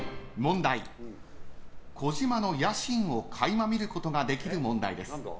児嶋の野心を垣間見ることができる問題です。